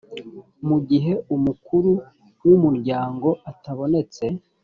mu gihe umukuru w umuryango atabonetse